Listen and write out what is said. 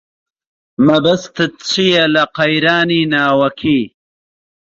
مەبەستت چییە لە قەیرانی ناوەکی؟